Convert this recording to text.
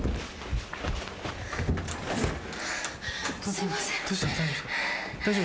すいません。